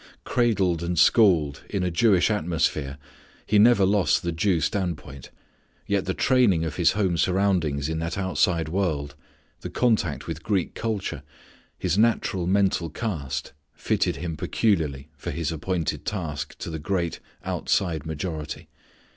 Cradled and schooled in a Jewish atmosphere, he never lost the Jew standpoint, yet the training of his home surroundings in that outside world, the contact with Greek culture, his natural mental cast fitted him peculiarly for his appointed task to the great outside majority.